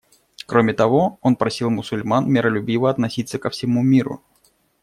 Кроме того, он просил мусульман миролюбиво относиться ко всему миру.